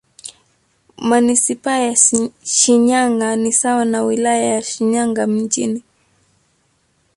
Manisipaa ya Shinyanga ni sawa na Wilaya ya Shinyanga Mjini.